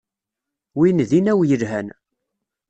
Win d inaw yelhan.